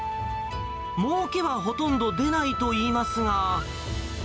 もうけはほとんど出ないといいますが。